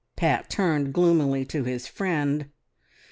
Pat turned gloomily to his friend.